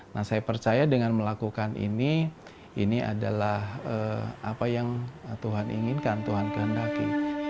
nah saya percaya dengan melakukan ini ini adalah apa yang tuhan inginkan tuhan kehendaki